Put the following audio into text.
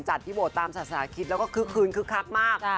จัดที่โบร์ดตามสาธารณาคิดแล้วก็คึกคืนคึกคักมาก